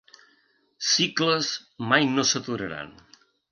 Cicles mai no s'aturaran.